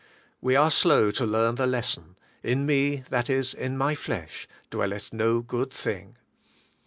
We are slow to learn the lesson, *In me, that is in my flesh, dwelleth no good thing.